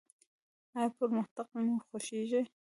ایا پرمختګ مو خوښیږي؟